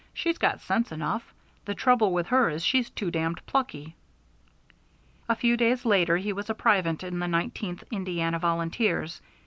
"She's got sense enough. The trouble with her is she's too damned plucky." A few days later he was a private in the Nineteenth Indiana Volunteers.